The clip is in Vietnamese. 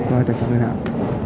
và tài khoản ngân hàng